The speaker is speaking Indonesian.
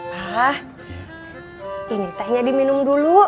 hah ini tehnya diminum dulu